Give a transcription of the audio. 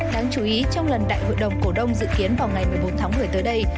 đáng chú ý trong lần đại hội đồng cổ đông dự kiến vào ngày một mươi bốn tháng một mươi tới đây